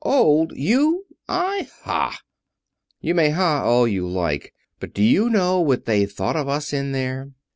"Old! You! I! Ha!" "You may 'Ha!' all you like. But do you know what they thought of us in there?